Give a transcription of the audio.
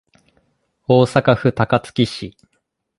大阪府高槻市